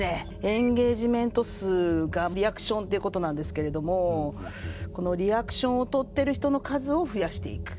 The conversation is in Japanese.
エンゲージメント数がリアクションっていうことなんですけれどもこのリアクションをとってる人の数を増やしていく。